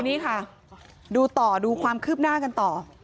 นี่ค่ะดูต่อดูความคืบหน้ากันต่อ